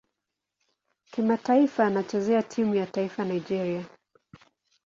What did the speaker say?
Kimataifa anachezea timu ya taifa Nigeria.